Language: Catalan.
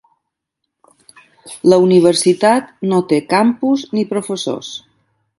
La universitat no té campus ni professors.